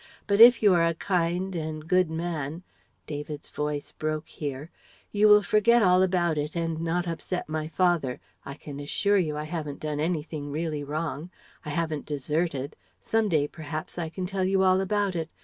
But if you are a kind and good man" David's voice broke here "You will forget all about it and not upset my father, I can assure you I haven't done anything really wrong. I haven't deserted some day perhaps I can tell you all about it.